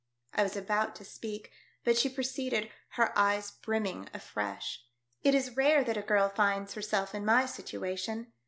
I was about to speak, but she proceeded, her eyes brimming afresh —" It is rare that a girl finds herself in my situation.